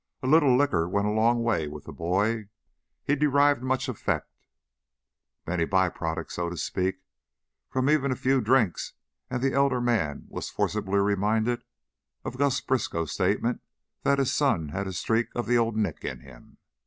A little liquor went a long way with the boy; he derived much effect, many by products, so to speak, from even a few drinks, and the elder man was forcibly reminded of Gus Briskow's statement that his son had a streak of the Old Nick in him.